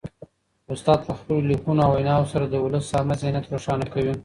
استاد په خپلو لیکنو او ویناوو سره د ولس عامه ذهنیت روښانه کوي.